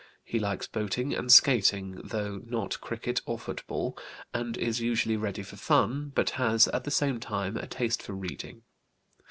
He likes boating and skating, though not cricket or football, and is usually ready for fun, but has, at the same time, a taste for reading.